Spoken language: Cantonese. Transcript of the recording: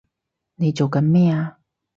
你做緊咩啊！